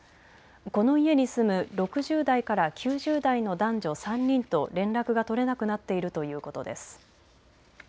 この家に住む６０代から９０代の男女３人と連絡が取れなくなっているということです。